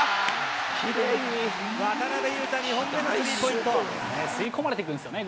きれいに、渡邊雄太、２本目のスリーポイント。吸い込まれていくんですよね。